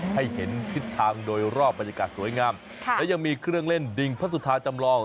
ให้เห็นทิศทางโดยรอบบรรยากาศสวยงามและยังมีเครื่องเล่นดิ่งพระสุธาจำลอง